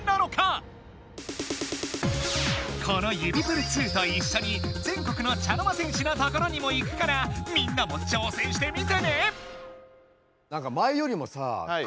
この指プル２といっしょに全国の茶の間戦士のところにも行くからみんなも挑戦してみてね！